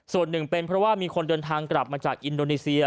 ส่วนหนึ่งเป็นเพราะว่ามีคนเดินทางกลับมาจากอินโดนีเซีย